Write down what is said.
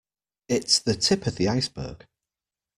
It's the tip of the iceberg.